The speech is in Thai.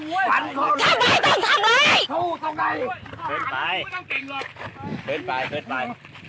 ขึ้นไปรถไปซาวิขึ้นรถไปเอาเอา